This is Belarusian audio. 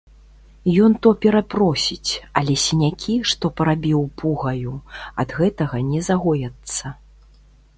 Ён то перапросіць, але сінякі, што парабіў пугаю, ад гэтага не загояцца.